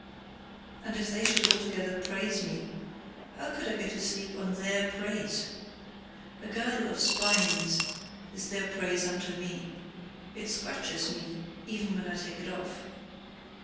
And if they should altogether praise me, how could I go to sleep on THEIR praise? A girdle of spines is their praise unto me: it scratcheth me even when I take it off.